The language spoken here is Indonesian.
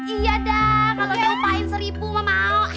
iya dah kalo diupain seribu mah mau